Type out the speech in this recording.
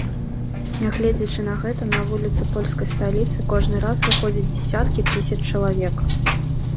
Нягледзячы на гэта на вуліцы польскай сталіцы кожны раз выходзяць дзясяткі тысяч чалавек.